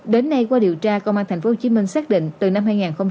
đến nay qua điều tra công an tp hcm xác định từ năm hai nghìn một mươi ba